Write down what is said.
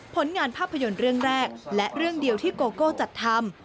ผลงานภาพยนตร์เรื่องแรกและเรื่องเดียวที่โกโก้จัดทำ